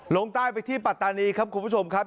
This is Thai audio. ลงใต้ไปที่ปัตตานีครับคุณผู้ชมครับ